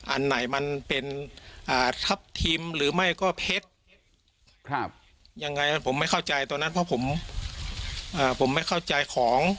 อันไหนมันเป็นทัพทิมหรือไม่ก็เพชรยังไงผมไม่เข้าใจตอนนั้นเพราะผมไม่เข้าใจของ